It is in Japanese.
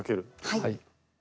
はい。